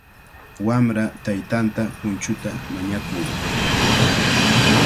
Wamra taytanta punchuta mañakun.